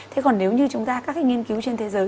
thế còn nếu như chúng ta các cái nghiên cứu trên thế giới